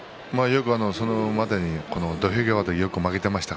それまで土俵際、負けていました。